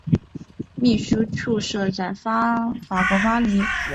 秘书处设在法国巴黎。